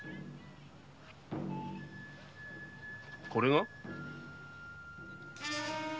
これが？